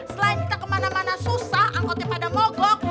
selain kita kemana mana susah angkotnya pada mogok